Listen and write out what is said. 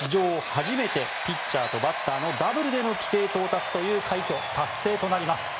初めてピッチャーとバッターのダブルでの規定到達という快挙達成となります。